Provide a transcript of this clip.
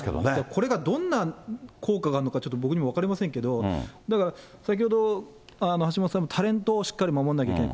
これがどんな効果があるのかちょっと僕にも分かりませんけど、だから、先ほど橋本さんもタレントをしっかり守んなきゃいけない。